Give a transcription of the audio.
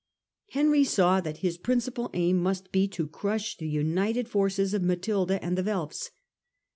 Henry saw that his principal aim must be to crush the united forces of Matilda and the Welfs.